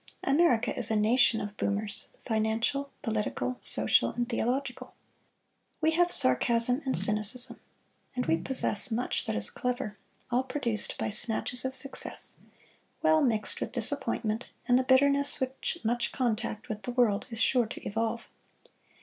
America is a nation of boomers financial, political, social and theological. We have sarcasm and cynicism, and we possess much that is clever, all produced by snatches of success, well mixed with disappointment and the bitterness which much contact with the world is sure to evolve.